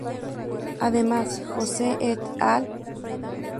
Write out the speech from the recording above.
Además, Jose et al.